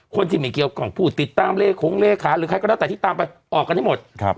คนที่ไม่เกี่ยวกล่องผู้ติดตามเลขของเลขาหรือใครก็แล้วแต่ที่ตามไปออกกันให้หมด